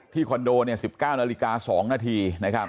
คอนโด๑๙นาฬิกา๒นาที